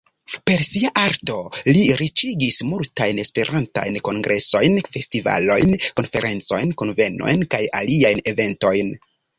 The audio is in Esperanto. Per sia arto li riĉigis multajn Esperantajn kongresojn, festivalojn, konferencojn, kunvenojn kaj aliajn eventojn.